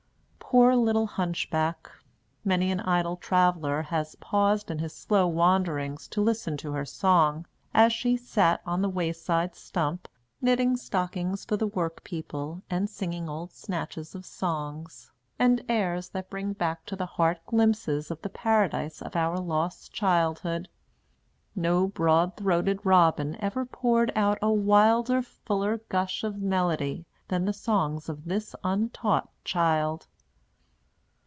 Poor little hunchback! Many an idle traveller has paused in his slow wanderings to listen to her song, as she sat on the wayside stump, knitting stockings for the work people, and singing old snatches of songs, and airs that bring back to the heart glimpses of the paradise of our lost childhood! No broad throated robin ever poured out a wilder, fuller gush of melody than the songs of this untaught child!